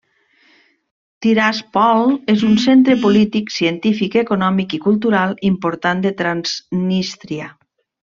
Tiraspol és un centre polític, científic, econòmic i cultural important de Transnístria.